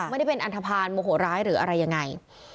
ไม่ได้เป็นอันทภาณโมโหร้ายหรืออะไรยังไง